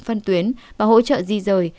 phân tuyến và hỗ trợ di rời